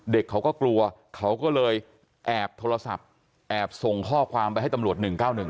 เขาก็กลัวเขาก็เลยแอบโทรศัพท์แอบส่งข้อความไปให้ตำรวจ๑๙๑